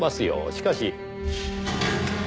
しかし。